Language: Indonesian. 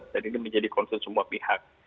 jadi ini menjadi concern semua pihak